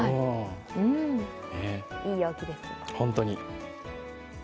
いい陽気です。